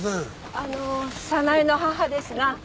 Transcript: あの早苗の母ですが。